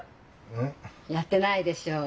やってないでしょう。